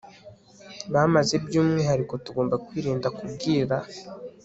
bamaze by umwihariko tugomba kwirinda kubwira